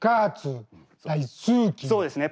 そうですね。